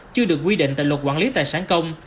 chưa được quy định tại luật quản lý tài sản công